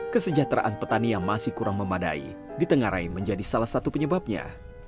kesejahteraan petani yang masih kurang memadai ditengarai menjadi salah satu penyebabnya